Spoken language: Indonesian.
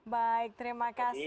baik terima kasih